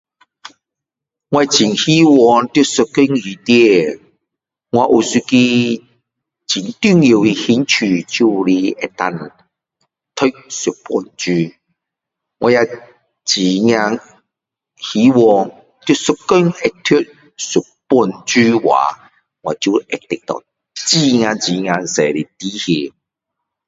我很希望在一天里面我有一个很重要的兴趣就是能够读一本书我也很是很是希望在一天读一本书的话我就会得到很多很多的智慧